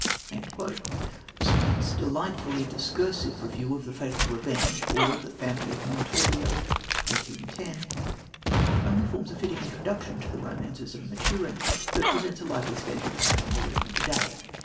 " Scott's delightfully discursive review of The Fatal Revenge or The Family of Montorio (1810), not only forms a fitting introduction to the romances of Maturin, but presents a lively sketch of the fashionable reading of the day.